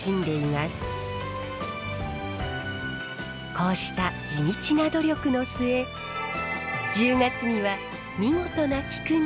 こうした地道な努力の末１０月には見事な菊が咲き誇ります。